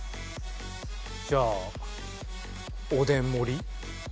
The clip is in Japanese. じゃあおでん盛り。